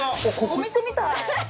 お店みたい！